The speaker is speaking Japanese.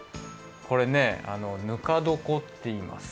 これねぬかどこっていいます。